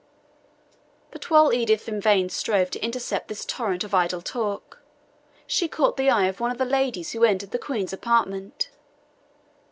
But while Edith in vain strove to intercept this torrent of idle talk, she caught the eye of one of the ladies who entered the Queen's apartment.